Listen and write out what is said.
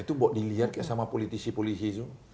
itu buat dilihat sama politisi polisi itu